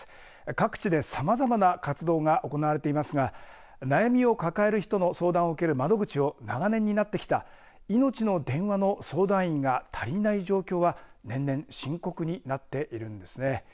各地でさまざまな活動が行われていますが悩みを抱える人の相談を受ける窓口を長年担ってきたいのちの電話の相談員が足りない状況は年々深刻になっているんですね。